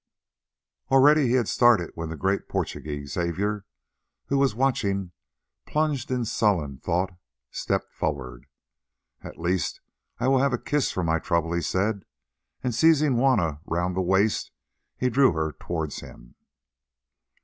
Already he had started when the great Portuguese, Xavier, who was watching plunged in sullen thought, stepped forward. "At least I will have a kiss for my trouble," he said, and seizing Juanna round the waist, he drew her towards him.